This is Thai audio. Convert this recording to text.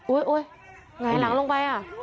หงายหลังลงไปอ่ะ